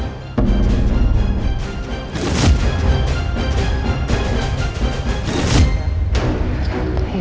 bantuan bantuan apa ya bu